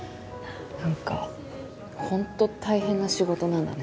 何かほんと大変な仕事なんだね。